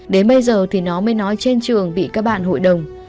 đến bây giờ thì nó mới nói trên trường bị các bạn hội đồng